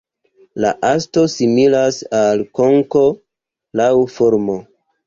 La osto similas al konko laŭ formo.